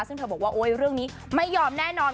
ซึ่งเธอบอกว่าโอ๊ยเรื่องนี้ไม่ยอมแน่นอน